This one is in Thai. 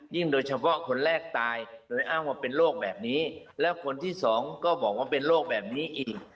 โดยเฉพาะคนแรกตายโดยอ้างว่าเป็นโรคแบบนี้แล้วคนที่สองก็บอกว่าเป็นโรคแบบนี้อีก